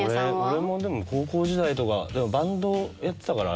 俺もでも高校時代とかバンドやってたから。